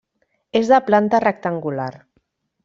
És de planta rectangular.